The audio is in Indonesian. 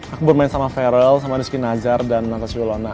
aku bermain sama feral sama rizky najjar dan natasha yolona